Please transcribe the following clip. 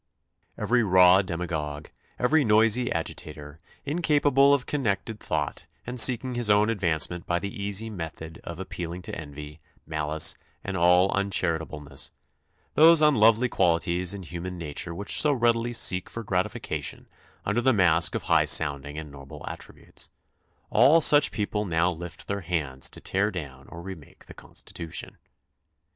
Every 36 THE CONSTITUTION AND ITS MAKERS raw demagogue, every noisy agitator, incapable of con nected thought and seeking his own advancement by the easy method of appeahng to envy, maUce, and all uncharitableness — those unlovely qualities in human nature which so readily seek for gratification under the mask of high sounding and noble attributes — all such people now lift their hands to tear down or remake the Constitution.